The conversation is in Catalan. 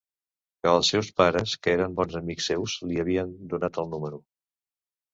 Que els seus pares, que eren bons amics seus, li havien donat el número.